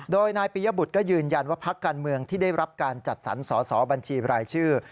โดยนายปียบุตรก็ยืนยันว่าพักการเมืองที่ได้รับการจัดสรรสอสอบัญชีรายชื่อ